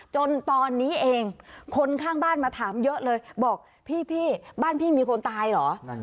จนตอนนี้เองคนข้างบ้านมาถามเยอะเลยบอกพี่บ้านพี่มีคนตายเหรอ